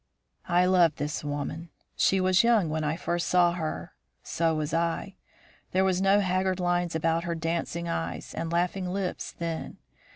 "I loved this woman. She was young when I first saw her. So was I. There were no haggard lines about her dancing eyes and laughing lips then.